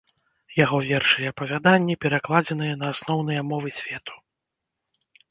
Яго вершы і апавяданні перакладзеныя на асноўныя мовы свету.